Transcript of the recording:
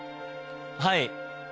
はい。